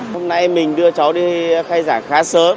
hôm nay mình đưa cháu đi khai giảng khá sớm